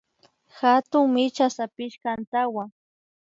Hatun micha sapishka antawa